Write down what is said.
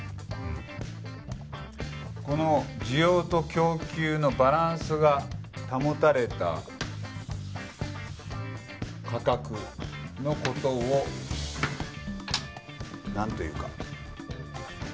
この需要と供給のバランスが保たれた価格の事をなんというか？